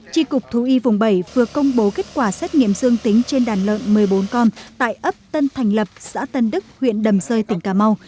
tri cục thú y vùng bảy vừa công bố kết quả xét nghiệm dương tính trên đàn lợn một mươi bốn con tại ấp tân thành lập xã tân đức huyện đầm rơi tỉnh cà mau